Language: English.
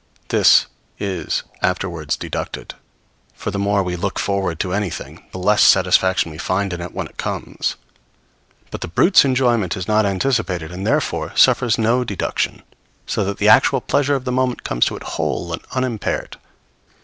This is afterwards deducted; for the more we look forward to anything, the less satisfaction we find in it when it comes. But the brute's enjoyment is not anticipated, and therefore, suffers no deduction; so that the actual pleasure of the moment comes to it whole and unimpaired.